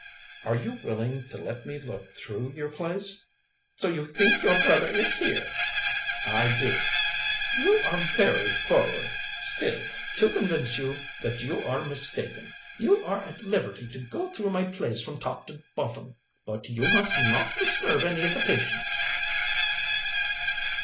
"Are you willing to let me look through your place?" "So you think your brother is here?" "I do." "You are very forward. Still, to convince you that you are mistaken, you are at liberty to go through my place from top to bottom. But you must not disturb any of the patients."